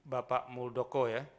bapak muldoko ya